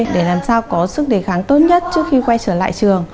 để làm sao có sức đề kháng tốt nhất trước khi quay trở lại trường